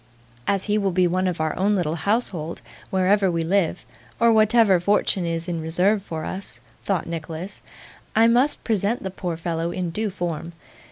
'As he will be one of our own little household, wherever we live, or whatever fortune is in reserve for us,' thought Nicholas, 'I must present the poor fellow in due form.